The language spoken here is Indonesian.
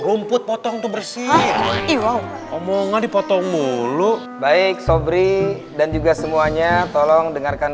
rumput potong tuh bersih omongan dipotong mulu baik sobri dan juga semuanya tolong dengarkan